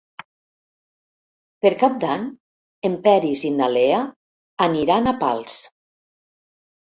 Per Cap d'Any en Peris i na Lea aniran a Pals.